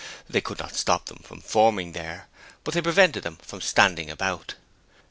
They could not stop them from coming there, but they prevented them standing about.